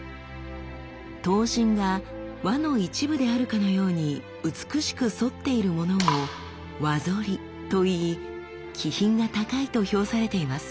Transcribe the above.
刀身が輪の一部であるかのように美しく反っているものを「輪反り」といい気品が高いと評されています。